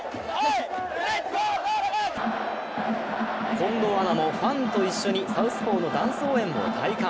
近藤アナもファンと一緒に「サウスポー」のダンス応援を体感。